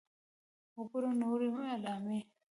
.وګورئ نورې علامې